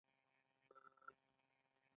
عبدالکریم شرر یو اثر لري چې ګذشته لکنهو نومیږي.